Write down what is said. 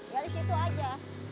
ya di situ aja